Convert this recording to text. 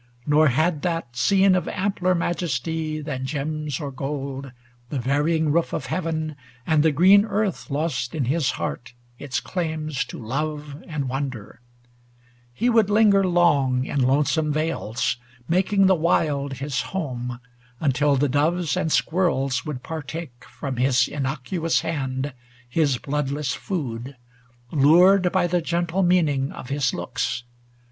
Nor had that scene of ampler majesty Than gems or gold, the varying roof of heaven And the green earth, lost in his heart its claims To love and wonder; he would linger long In lonesome vales, making the wild his home, Until the doves and squirrels would par take 100 From his innocuous hand his bloodless food. Lured by the gentle meaning of his looks.